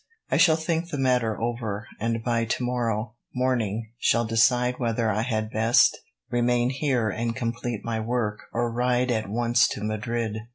I shall think the matter over, and by tomorrow morning shall decide whether I had best remain here and complete my work, or ride at once to Madrid."